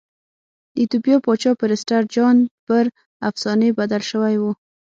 د ایتوپیا پاچا پرسټر جان پر افسانې بدل شوی و.